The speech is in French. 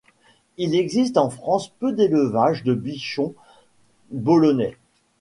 Il existe en France peu d'élevages de bichons bolonais.